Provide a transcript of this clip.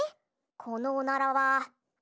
このおならは。